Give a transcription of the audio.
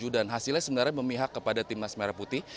dan hasilnya sebenarnya memihak kepada tim nasional merah putih